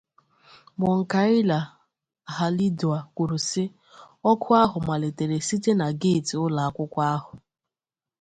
Mounkaila Halidou kwuru sị: “Ọkụ ahụ malitere site na geeti ụlọakwụkwọ